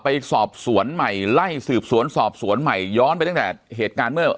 ไปสอบสวนใหม่ไล่สืบสวนสอบสวนใหม่ย้อนไปตั้งแต่เหตุการณ์เมื่อ